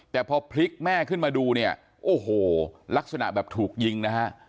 แต่พอพลิกแม่ขึ้นมาดูเนี่ยโอ้โหลักษณะแบบถูกยิงนะฮะ